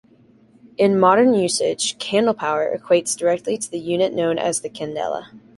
In modern usage "candlepower" equates directly to the unit known as the candela.